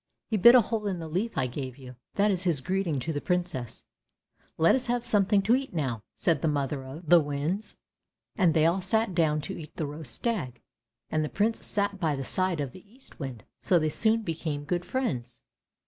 He bit a hole in the leaf I gave you, that is his greeting to the Princess." "Let us have something to eat now! " said the mother of THE GARDEN OF PARADISE 163 the winds; and they all sat down to eat the roast stag, and the Prince sat by the side of the Eastwind, so they soon became good friends.